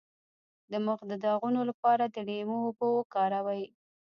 د مخ د داغونو لپاره د لیمو اوبه وکاروئ